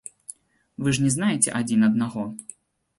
Вы ж не знаеце адзін аднаго?